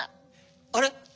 あれ？